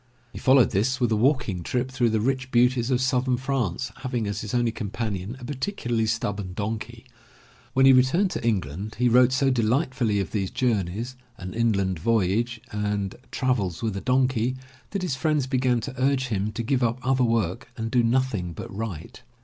He followed this with a walking trip through the rich beauties of Southern France, having as his only companion a particularly stubborn donkey. When he returned to England he wrote so delightfully of these journeys. An Inland Voyage, and Travels With A Donkey, that his friends began to urge him to give up other work and do nothing but write.